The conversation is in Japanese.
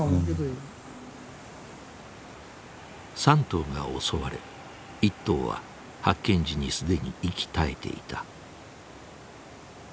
３頭が襲われ１頭は発見時に既に息絶えていた。